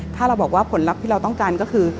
ถ้าเราบอกว่าผลลัพธ์ที่เราต้องการก็คือ